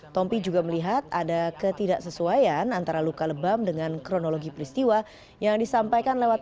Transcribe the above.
tompi juga melihat ada ketidaksesuaian antara luka lebam dengan kronologi peristiwa yang disampaikan lewat